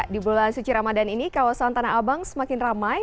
di bulan suci ramadan ini kawasan tanah abang semakin ramai